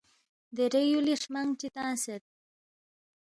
درے یُولی ہرمنگ چی تنگسید